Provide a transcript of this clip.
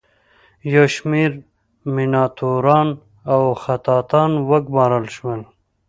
یو شمیر میناتوران او خطاطان وګومارل شول.